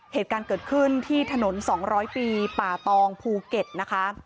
เหตุการณ์เกิดขึ้นที่ถนน๒๐๐ปีป่าตองภูเก็ตนะคะ